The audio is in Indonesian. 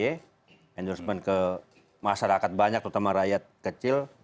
endorsement ke masyarakat banyak terutama rakyat kecil